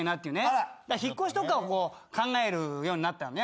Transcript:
引っ越しとかを考えるようになったよね。